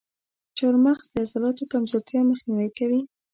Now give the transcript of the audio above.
چارمغز د عضلاتو کمزورتیا مخنیوی کوي.